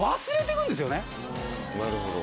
なるほど。